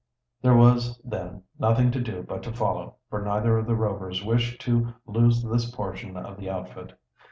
There was, then, nothing to do but to follow, for neither of the Rovers wished to lose this portion of the outfit.